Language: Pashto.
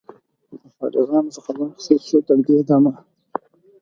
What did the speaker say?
له فارغانو څخه واخیستل شوه. تر دې دمه